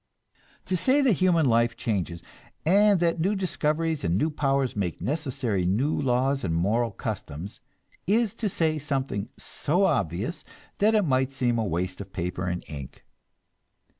To say that human life changes, and that new discoveries and new powers make necessary new laws and moral customs, is to say something so obvious that it might seem a waste of paper and ink.